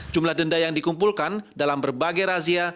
jumlah denda yang dikumpulkan dalam berbagai razia